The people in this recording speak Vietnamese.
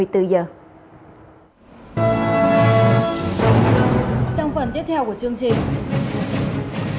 trong phần tiếp theo của chương trình